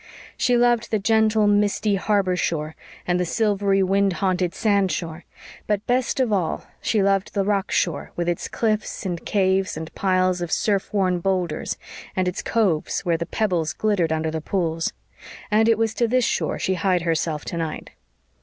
She loved the gentle, misty harbor shore and the silvery, wind haunted sand shore, but best of all she loved the rock shore, with its cliffs and caves and piles of surf worn boulders, and its coves where the pebbles glittered under the pools; and it was to this shore she hied herself tonight.